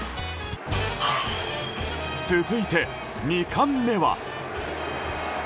続いて２冠目は。